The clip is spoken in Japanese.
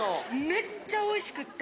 めっちゃおいしくて。